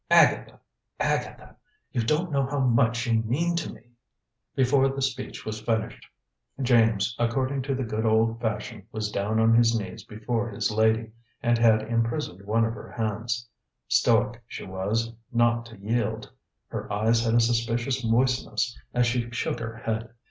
Agatha, Agatha, you don't know how much you mean to me!" Before this speech was finished, James, according to the good old fashion, was down on his knees before his lady, and had imprisoned one of her hands. Stoic she was, not to yield! Her eyes had a suspicious moistness, as she shook her head.